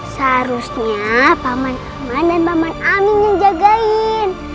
seharusnya paman aman dan paman amin yang jagain